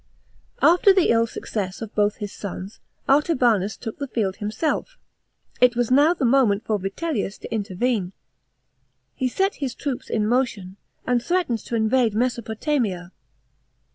*§ 23. Alter the ill success of both his sons, Artabanus took the field himself. It was now the moment for Vittllius to intervene. He sethis troops in motion, and threatened to invade Mesopotamia.